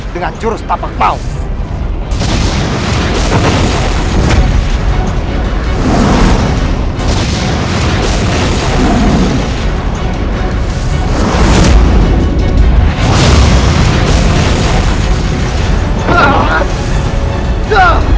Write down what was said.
dengan jurus tapak mawar